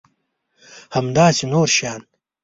همداسې نور شیان.